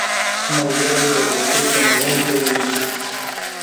ملګری د غوسې کمونکی وي